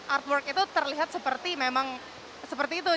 artwork itu terlihat seperti memang seperti itu